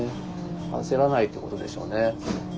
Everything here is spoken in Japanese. あせらないっていうことでしょうね。